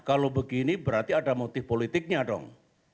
kalau begini berarti ada motif politiknya dong